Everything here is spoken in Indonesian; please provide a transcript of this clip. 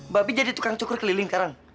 babi jadi tukang cukur keliling karang